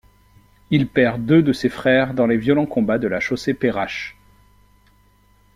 Il perd deux de ses frères dans les violents combats de la chaussée Perrache.